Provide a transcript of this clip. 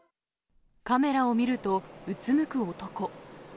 カメラを見ると、うつむく男。